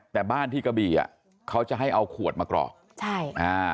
แต่บ้านที่กะบี่อ่ะเขาจะให้เอาขวดมากรอกใช่อ่า